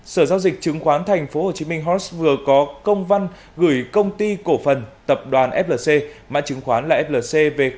sở giao dịch chứng khoán thành phố hồ chí minh horses vừa có công văn gửi công ty cổ phần tập đoàn flc mã chứng khoán là flc